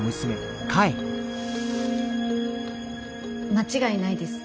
間違いないです。